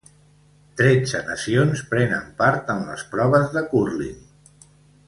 Tretze nacions prenen part en les proves de cúrling.